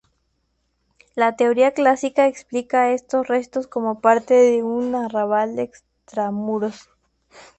La teoría clásica explica estos restos como parte de un arrabal extramuros.